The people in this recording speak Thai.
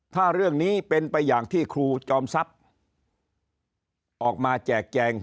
ถ้าเรื่องนี้เป็นไปอย่างที่ครูจอมทรัพย์ออกมาแจกแจง